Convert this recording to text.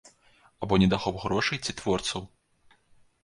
Або недахоп грошай ці творцаў?